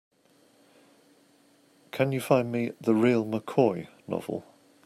Can you find me The Real McCoy novel?